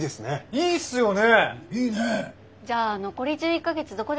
いいっすね